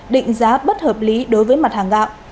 định giá bất hợp lý đối với mặt hàng gạo